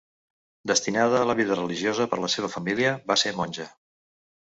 Destinada a la vida religiosa per la seva família, va ser monja.